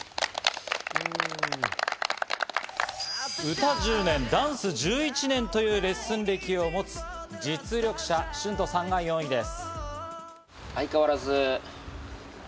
歌１０年、ダンス１１年というレッスン歴を持つ、実力者・シュントさんが４位です。